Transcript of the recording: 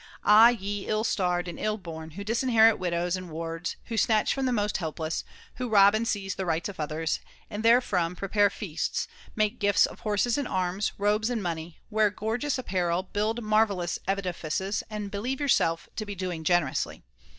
Ah ye ill starred and ill born, who disinherit widows and wards, who snatch from the most helpless, [^120]] who rob and seize the rights of others, and therefrom prepare feasts, make gifts of horses and arms, robes and money, wear gorgeous apparel, build mar vellous edifices, and believe yourselves to be doing generously